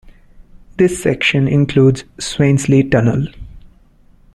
This section includes Swainsley tunnel.